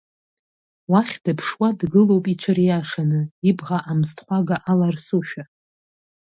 Уахь дыԥшуа дгылоуп иҽыриашаны, ибӷа амсҭхәага аларсушәа.